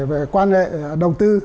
về quan hệ đầu tư